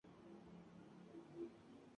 Ha sido columnista del diario "El Mundo.